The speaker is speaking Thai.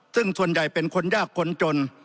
ซึ่งส่วนใหญ่เป็นคนยากคนจน